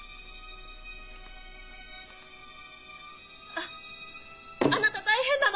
あっあなた大変なの！